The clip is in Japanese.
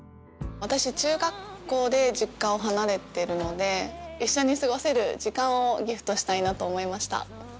私中学校で実家を離れてるので一緒に過ごせる時間をギフトしたいなと思いました。